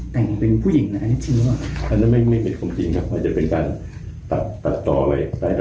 แต่งเป็นผู้หญิงนะอันนี้จริงหรือเปล่าอันนี้ไม่เป็นความจริงครับ